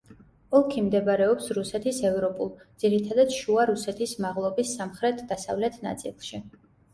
ოლქი მდებარეობს რუსეთის ევროპულ, ძირითადად შუა რუსეთის მაღლობის სამხრეთ-დასავლეთ ნაწილში.